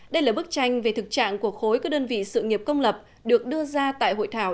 đây là bức tranh về thực trạng của khối các đơn vị sự nghiệp công lập được đưa ra tại hội thảo